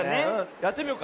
やってみようか。